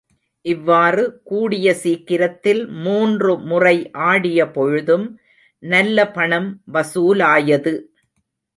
இவ்வாறு கூடிய சீக்கிரத்தில் மூன்று முறை ஆடிய பொழுதும் நல்ல பணம் வசூலாயது.